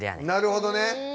なるほどね。